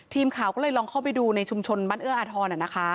ทีมข่าวก็เลยลองเข้าไปดูในชุมชนบ้านเอื้ออาทร